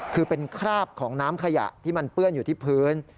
คือเป็นคราบของน้ำขยะที่มันเปื้อนอยู่ที่พื้น